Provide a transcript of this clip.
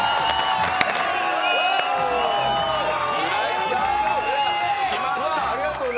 浦井さん、来ました。